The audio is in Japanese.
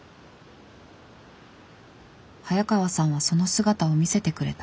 早川さんはその姿を見せてくれた